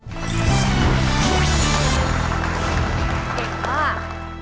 เก่งมาก